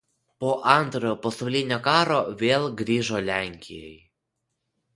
Po Antrojo pasaulinio karo vėl grįžo Lenkijai.